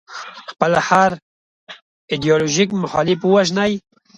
خپل هر ایدیالوژیک مخالف ووژني.